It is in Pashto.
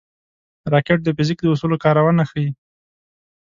راکټ د فزیک د اصولو کارونه ښيي